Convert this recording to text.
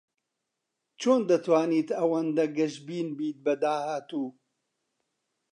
چۆن دەتوانیت ئەوەندە گەشبین بیت بە داهاتوو؟